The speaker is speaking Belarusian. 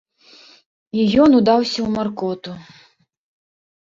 І ён удаўся ў маркоту.